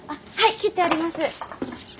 切ってあります。